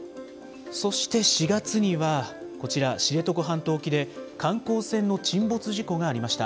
そして４月にはこちら、知床半島沖で観光船の沈没事故がありました。